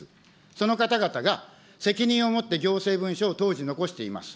その方々が責任を持って行政文書を当時残しています。